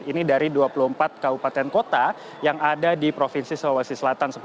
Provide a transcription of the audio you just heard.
ini dari dua puluh empat kabupaten kota yang ada di provinsi sulawesi selatan